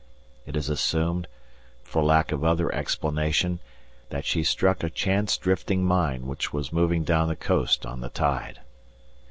It is assumed, for lack of other explanation, that she struck a chance drifting mine which was moving down the coast on the tide.